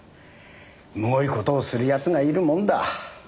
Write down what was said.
むごい事をする奴がいるもんだ。